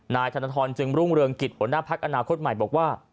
นายธนทรจึงรุ่งเรืองกิจหัวหน้าพักอนาคตใหม่บอกว่า